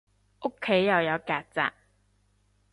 屋企又有曱甴